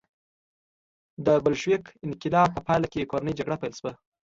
د بلشویک انقلاب په پایله کې کورنۍ جګړه پیل شوه